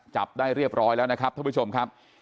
จับได้เรียบร้อยแล้วนะครับท่านผู้ชมครับ